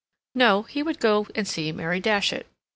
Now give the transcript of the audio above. No, he would go and see Mary Datchet.